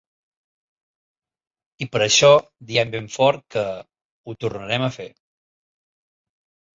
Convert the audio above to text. I per això diem ben fort que Ho tornarem a fer.